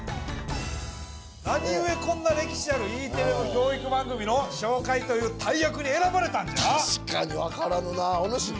何故こんな歴史あるＥテレの教育番組の紹介という大役に選ばれたんじゃ！？